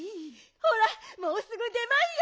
ほらもうすぐでばんよ。